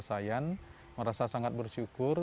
sayan merasa sangat bersyukur